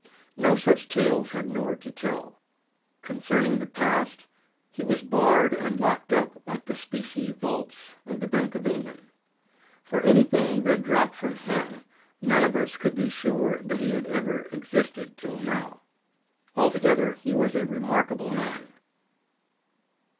No such tales had Nord to tell. Concerning the past, he was barred and locked up like the specie vaults of the Bank of England. For anything that dropped from him, none of us could be sure that he had ever existed till now. Altogether, he was a remarkable man.